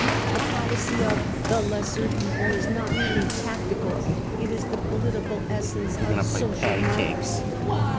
The policy of 4 the lesser evil * is not merely tactical, it; is the political essence of Social Democracy.